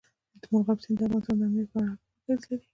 مورغاب سیند د افغانستان د امنیت په اړه هم اغېز لري.